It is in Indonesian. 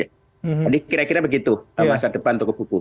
jadi kira kira begitu masa depan toko buku